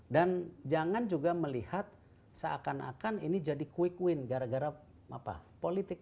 jangan juga melihat seakan akan ini jadi quick win gara gara politik